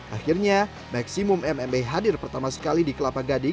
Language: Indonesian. akhirnya maximum mma hadir pertama sekali di kelapa gading